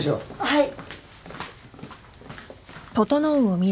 はい。